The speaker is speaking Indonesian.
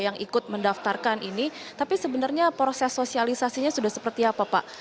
yang ikut mendaftarkan ini tapi sebenarnya proses sosialisasinya sudah seperti apa pak